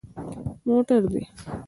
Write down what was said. _موټر دي؟